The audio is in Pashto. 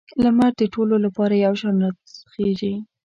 لمر د ټولو لپاره یو شان راخیږي.